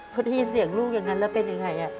พอได้ยินเสียงลูกอย่างนั้นแล้วเป็นยังไง